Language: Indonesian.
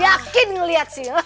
yakin ngeliat sih